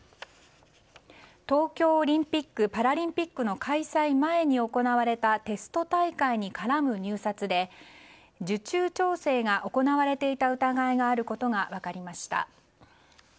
東京オリンピック・パラリンピックの開催前に行われたテスト大会に絡む入札で受注調整が行われていた疑いがあることが分かりました。